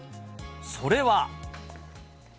それは。